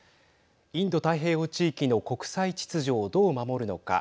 インド太平洋地域の国際秩序をどう守るのか。